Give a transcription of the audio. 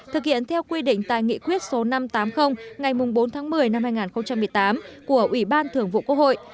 thực hiện theo quy định tại nghị quyết số năm trăm tám mươi ngày bốn tháng một mươi năm hai nghìn một mươi tám của ủy ban thường vụ quốc hội